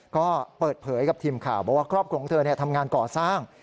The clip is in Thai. ก็เปิดเผยกับทีมข่าวบอกว่าครอบครัวของเธอทำงานก่อสร้าง